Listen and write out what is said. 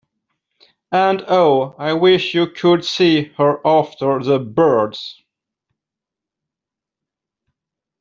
And oh, I wish you could see her after the birds!